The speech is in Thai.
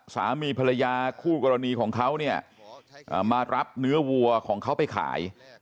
สามีภรรยาคู่กรณีของเขาเนี่ยมารับเนื้อวัวของเขาไปขาย